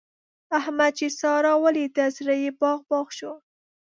احمد چې سارا وليده؛ زړه يې باغ باغ شو.